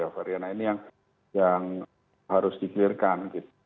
variant ini yang harus dikirkan